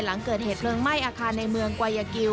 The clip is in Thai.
หลังเกิดเหตุเพลิงไหม้อาคารในเมืองกวายากิล